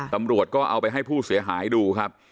ตำรวจก็เอาไปให้ผู้เสียหายดูครับ